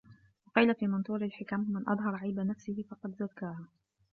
وَقِيلَ فِي مَنْثُورِ الْحِكَمِ مَنْ أَظْهَرَ عَيْبَ نَفْسِهِ فَقَدْ زَكَّاهَا